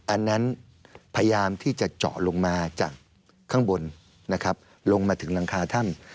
อันนั้นพยายามที่จะเจาะลงมาจากข้างบนนะครับลงมาถึงหลังคาถ้ำ